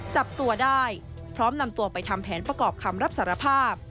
จับตัวได้พร้อมนำตัวไปทำแผนประกอบคำรับสารภาพ